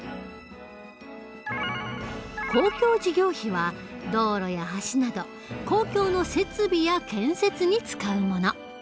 公共事業費は道路や橋など公共の設備や建設に使うもの。